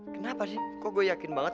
kenapa sih kok gue yakin banget